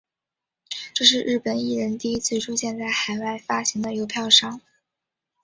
这是日本艺人第一次出现在海外发行的邮票上。